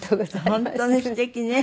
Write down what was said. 本当にすてきね。